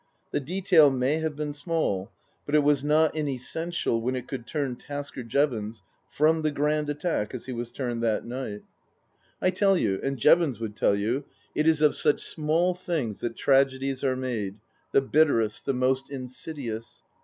The detail may have been small, but it was not inessential when it could turn Tasker Jevons from the Grand Attack as he was turned that night. 156 Book II : Her Book 157 I tell you, and Jevons would tell you, it is of such small things that tragedies are made the bitterest, the most insidious.